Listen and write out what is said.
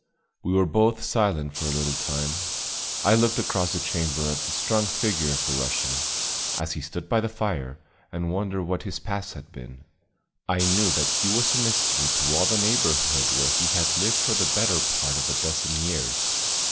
We were both silent for a little time. I looked across the chamber at the strong figure of the Russian, as he stood by the fire, and wondered what his past had been. I knew that he was a mystery to all the neighborhood where he had lived for the better part of a dozen years.